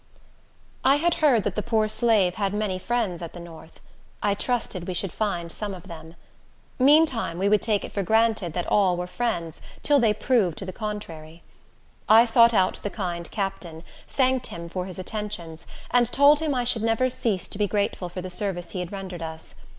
I had heard that the poor slave had many friends at the north. I trusted we should find some of them. Meantime, we would take it for granted that all were friends, till they proved to the contrary. I sought out the kind captain, thanked him for his attentions, and told him I should never cease to be grateful for the service he had rendered us.